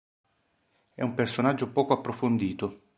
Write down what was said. È un personaggio poco approfondito.